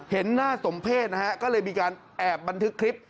เห็นหน้าสมเพศนะฮะก็เลยมีการแอบบันทึกคลิป